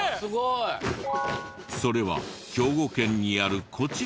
それは兵庫県にあるこちらの会場で。